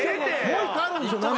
もう１個あるんですよ。